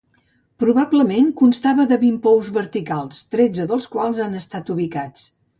Probablement constava de vint pous verticals, tretze dels quals han estat ubicats.